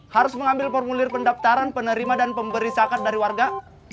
harus mengambil formulir pendaftaran penerima dan pemberi zakat dari warga